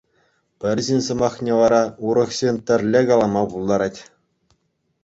Пӗр ҫын сӑмахне вара урӑх ҫын тӗрлӗ калама пултарать.